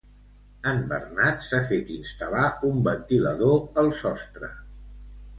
En Bernat s'ha fet instal·lar un ventilador al sostre